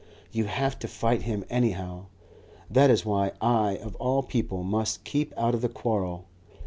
You have to fight him anyhow that is why I of all people must keep out of the quarrel.